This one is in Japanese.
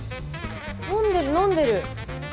飲んでる飲んでる。